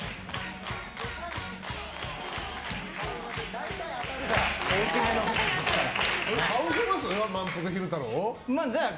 大体当たるから。